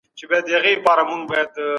ورزش کول ګټور دي.